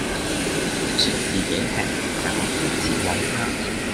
她說自己吃，但我堅持餵她